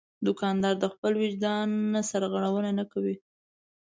دوکاندار د خپل وجدان نه سرغړونه نه کوي.